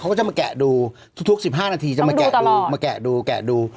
เขาก็จะมาแกะดูทุก๑๕นาทีจะมาแกะดู